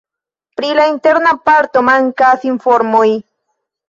Pri la interna parto mankas informoj.